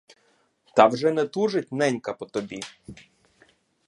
Та вже не тужить ненька по тобі.